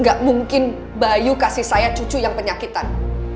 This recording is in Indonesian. gak mungkin bayu kasih saya cucu yang penyakitan